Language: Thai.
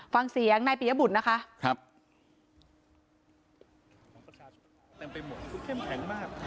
ฟังเสียงนายปิยบุตรนะคะ